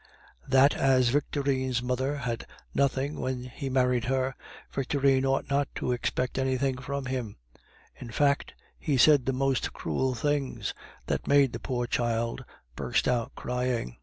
that as Victorine's mother had nothing when he married her, Victorine ought not to expect anything from him; in fact, he said the most cruel things, that made the poor child burst out crying.